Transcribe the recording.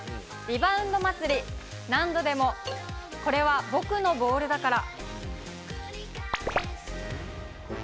リバウンド祭、何度でも、これは僕のボールだから。